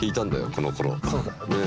このころ。